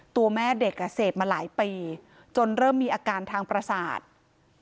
ตัวแม่เด็กเสพมาหลายปีจนเริ่มมีอาการทางประสาท